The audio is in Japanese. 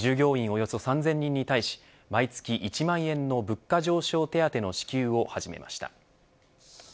およそ３０００人に対し毎月１万円の物価上昇手当の支給を始めました。